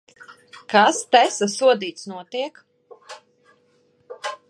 Kas te, sasodīts, notiek?